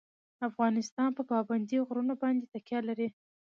افغانستان په پابندی غرونه باندې تکیه لري.